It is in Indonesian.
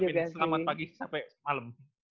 selamat pagi sampai malam